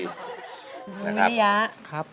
นะครับฮรุยะครับ